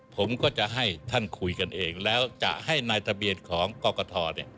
ผมก็จะให้ท่านคุยกันเองแล้วจะให้นายทะเบียนของกรกฐ